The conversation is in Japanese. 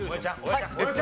はい。